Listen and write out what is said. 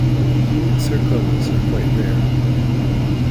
Human sarcomas are quite rare.